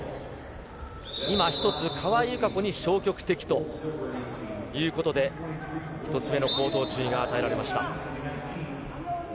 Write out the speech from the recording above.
今、１つ川井友香子に消極的ということで１つ目の口頭注意が与えられました。